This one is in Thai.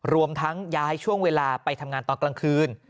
รวมทั้งย้ายช่วงเวลาไปทำงานตอนกลางคืน